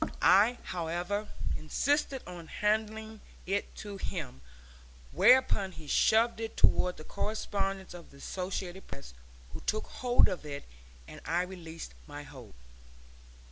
I, however, insisted on handing it to him, whereupon he shoved it toward the correspondent of the Associated Press, who took hold of it, and I released my hold.